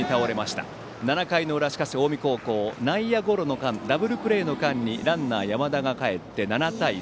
しかし７回の裏、近江高校内野ゴロの間ダブルプレーの間にランナー、山田がかえって７対３。